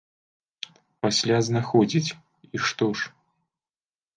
Пасля знаходзiць - i што ж?!